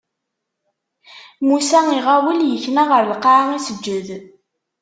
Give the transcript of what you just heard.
Musa iɣawel ikna ɣer lqaɛa, iseǧǧed.